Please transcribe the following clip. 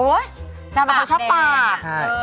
โอ๊ยน่าว่าเขาชอบปาก